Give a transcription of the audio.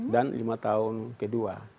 dan lima tahun kedua